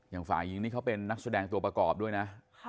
อย่างฝ่ายหญิงนี่เขาเป็นนักแสดงตัวประกอบด้วยนะ